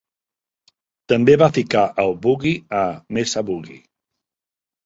També va ficar el "Boogie" a Mesa Boogie.